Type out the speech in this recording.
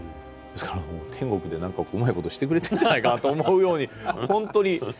ですから天国で何かうまいことしてくれてんじゃないかと思うようにほんとに。